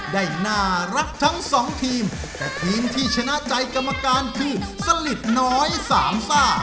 ได้น่ารักทั้งสองทีมแต่ทีมที่ชนะใจกรรมการคือสลิดน้อยสามซ่า